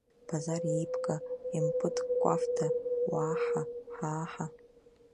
Базар еиԥка, емпыт кәафҭа, уаа-ҳа, ҳаа-ҳаа!